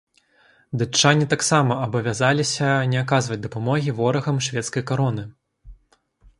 Датчане таксама абавязаліся не аказваць дапамогі ворагам шведскай кароны.